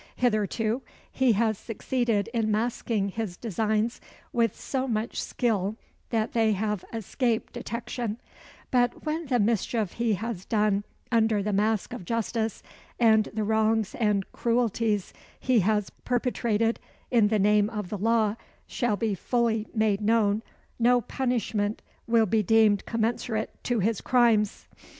Hitherto, he has succeeded in masking his designs with so much skill that they have escaped detection; but when the mischief he has done under the mask of justice, and the wrongs and cruelties he has perpetrated in the name of the law shall be fully made known, no punishment will be deemed commensurate to his crimes.